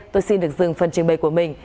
tôi xin được dừng phần truyền bày của mình